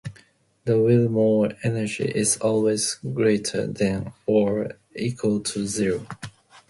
The Willmore energy is always greater than or equal to zero.